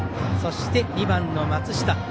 そして２番の松下。